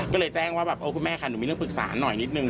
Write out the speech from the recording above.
ก็เลยแจ้งว่าแบบโอ้คุณแม่ค่ะหนูมีเรื่องปรึกษาหน่อยนิดนึง